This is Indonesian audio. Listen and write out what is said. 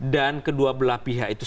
dan kedua belah pihak itu